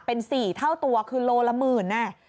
เป็น๔เท่าตัวคือโลละหมื่น